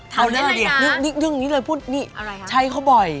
ถามให้ได้นะคะนึกนี่เลยพูดนี่ใช้เขาบ่อย